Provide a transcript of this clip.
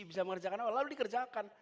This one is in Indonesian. bisa mengerjakan apa lalu dikerjakan